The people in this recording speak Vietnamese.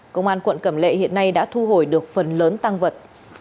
công an quận cẩm lệ hiện nay đã thu hồi được phần lớn tăng vật